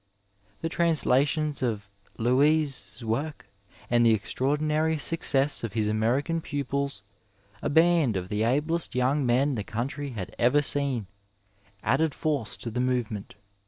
The translations of Louis' works and the extraordinary success of his American pupils, a band of the ablest young men the country had ever seen, added force to the movement.